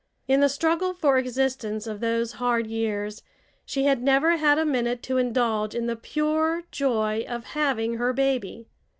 In the struggle for existence of those hard years she had never had a minute to indulge in the pure joy of having her baby.